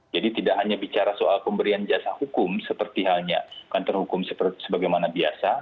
jadi tidak hanya bicara soal pemberian jasa hukum seperti halnya kantor hukum sebagaimana biasa